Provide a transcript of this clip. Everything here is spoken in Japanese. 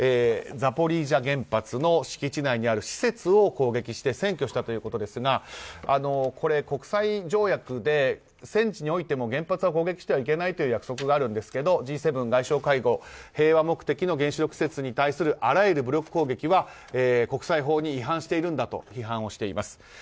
ザポリージャ原発の敷地内にある施設を攻撃して占拠したということですが国際条約で戦地においても原発は攻撃してはいけない約束があるんですがＧ７外相会合平和目的の原子力施設に対するあらゆる武力攻撃は国際法に違反しているんだと批判をしています。